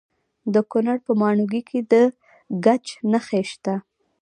د کونړ په ماڼوګي کې د ګچ نښې شته.